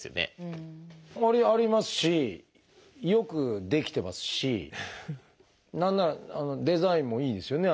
ありますしよく出来てますし何ならデザインもいいですよね